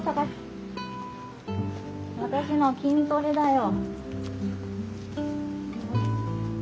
私の筋トレだよ。